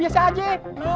bisa aja aja bang